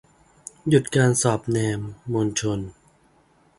หยุดการสอดแนมมวลชน